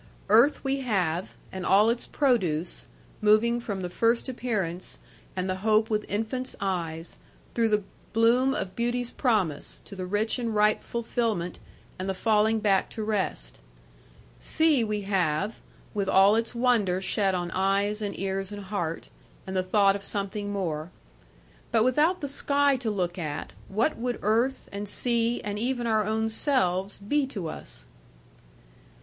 Earth we have, and all its produce (moving from the first appearance, and the hope with infants' eyes, through the bloom of beauty's promise, to the rich and ripe fulfilment, and the falling back to rest); sea we have (with all its wonder shed on eyes, and ears, and heart; and the thought of something more) but without the sky to look at, what would earth, and sea, and even our own selves, be to us?